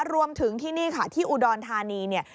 รวมถึงที่นี่ค่ะที่อุดรธานีเนี่ย